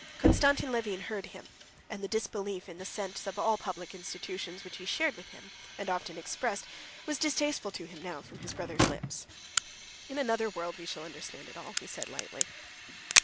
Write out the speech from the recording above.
Konstantin Levin heard him, and the disbelief in the sense of all public institutions, which he shared with him, and often expressed, was distasteful to him now from his brother's lips. "In another world we shall understand it all," he said lightly.